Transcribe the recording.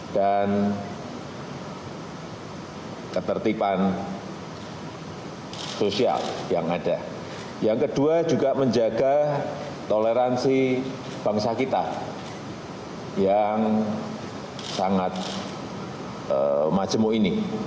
dan kepertipan sosial yang ada yang kedua juga menjaga toleransi bangsa kita yang sangat majemuk ini